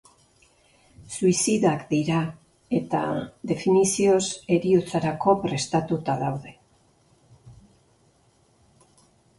Suizidak dira eta, definizioz, heriotzarako daude prestatuta.